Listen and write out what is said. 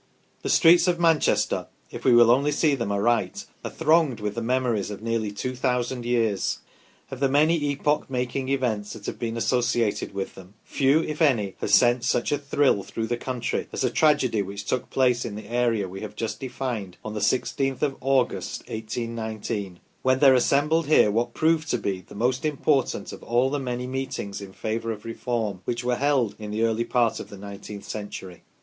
The streets of Manchester, if we will only see them aright, are thronged with the memories of nearly two thousand years ; of the many epoch making events that have been associated with them, few, if any, have sent such a thrill through the country as the tragedy which took place in the area we have just denned on the 1 6th of August, 1819, when there assembled here what proved to be the most im portant of all the many meetings in favour of Reform which were held in the early part of the nineteenth century.